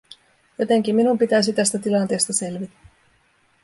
Jotenkin minun pitäisi tästä tilanteesta selvitä.